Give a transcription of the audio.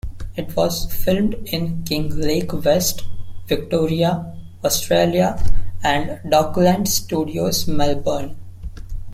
It was filmed in Kinglake West, Victoria, Australia and Docklands Studios Melbourne.